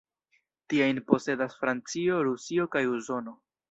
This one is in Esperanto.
Tiajn posedas Francio, Rusio kaj Usono.